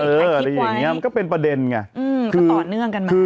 อะไรอย่างนี้มันก็เป็นประเด็นไงคือต่อเนื่องกันมา